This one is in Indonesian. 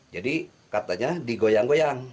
jadi katanya digoyang goyang